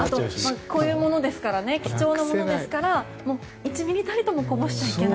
こういうものですから貴重なものですから１ｍｍたりともこぼしちゃいけない。